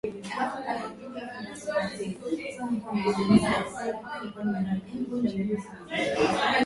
la muziki huo Starehe imefanya uchunguzi na tathmini kuangalia kulinganisha na kujiridhisha kwamba Lady